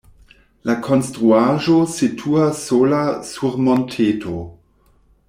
La konstruaĵo situas sola sur monteto.